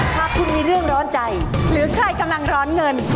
หากคุณมีเรื่องร้อนใจหรือใครกำลังร้อนเงิน